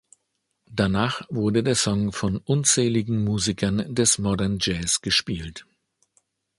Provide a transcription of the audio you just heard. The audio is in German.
Danach wurde der Song von unzähligen Musikern des Modern Jazz gespielt.